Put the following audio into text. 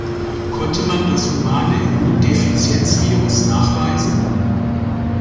Konnte man das Humane Immundefizienz-Virus nachweisen?